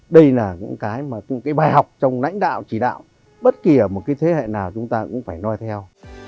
đây là những cái mà cái bài học trong lãnh đạo chỉ đạo bất kỳ ở một cái thế hệ nào chúng ta cũng phải nói theo